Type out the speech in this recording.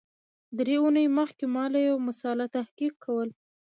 درې اونۍ مخکي ما یو مسأله تحقیق کول